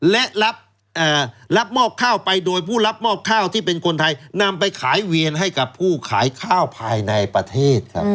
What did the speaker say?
และรับมอบข้าวไปโดยผู้รับมอบข้าวที่เป็นคนไทยนำไปขายเวียนให้กับผู้ขายข้าวภายในประเทศครับ